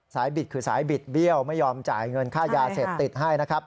บิดคือสายบิดเบี้ยวไม่ยอมจ่ายเงินค่ายาเสพติดให้นะครับ